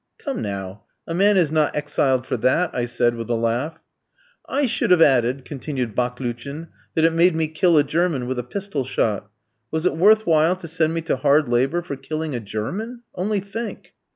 "Come now. A man is not exiled for that," I said, with a laugh. "I should have added," continued Baklouchin, "that it made me kill a German with a pistol shot. Was it worth while to send me to hard labour for killing a German? Only think."